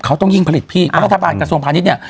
เขาต้องยิ่งผลิตพี่วัฒนาภาคกระทรวงภาณิชย์เนี่ย